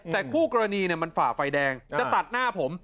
แต่คู่กรณีมันฝ่าไฟแดงจะตัดหน้าผม